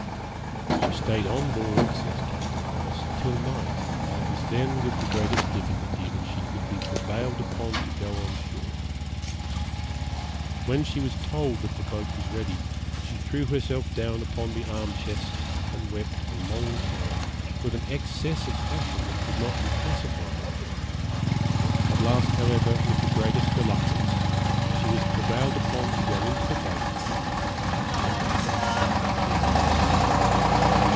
'She stayed on board,' says Captain Wallis, 'till night, and it was then with the greatest difficulty that she could be prevailed upon to go on shore. When she was told that the boat was ready, she threw herself down upon the arm chest, and wept a long time, with an excess of passion that could not be pacified; at last, however, with the greatest reluctance, she was prevailed upon to go into the boat, and was followed by her attendants.'